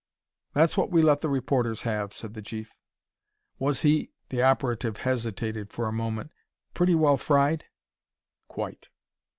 "That's what we let the reporters have," said the Chief. "Was he" the operative hesitated for a moment "pretty well fried?" "Quite!"